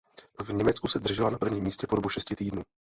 V Německu se držela na prvním místě po dobu šesti týdnů.